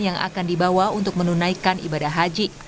yang akan dibawa untuk menunaikan ibadah haji